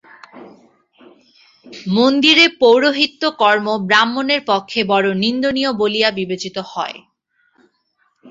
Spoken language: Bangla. মন্দিরে পৌরোহিত্য-কর্ম ব্রাহ্মণের পক্ষে বড় নিন্দনীয় বলিয়া বিবেচিত হয়।